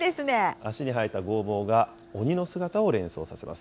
脚に生えた剛毛が鬼の姿を連想させます。